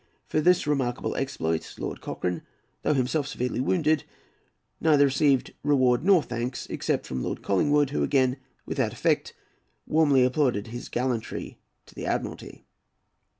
For this remarkable exploit Lord Cochrane, though himself severely wounded, neither received reward nor thanks, except from Lord Collingwood, who again, without effect, warmly applauded his gallantry to the Admiralty.